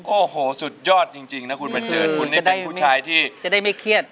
โอ้โหสุดยอดจริงนะคุณปัจเจิด